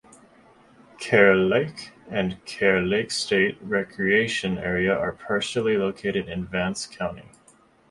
Kerr Lake and Kerr Lake State Recreation Area are partially located in Vance County.